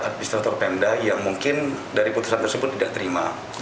administrator pemda yang mungkin dari putusan tersebut tidak terima